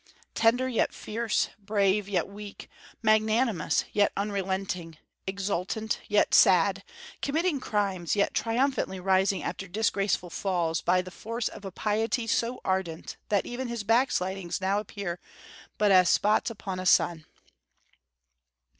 tender yet fierce, brave yet weak, magnanimous yet unrelenting, exultant yet sad, committing crimes yet triumphantly rising after disgraceful falls by the force of a piety so ardent that even his backslidings now appear but as spots upon a sun.